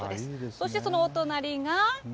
そしてそのお隣が。